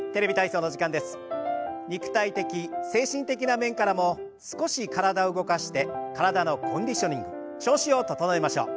肉体的精神的な面からも少し体を動かして体のコンディショニング調子を整えましょう。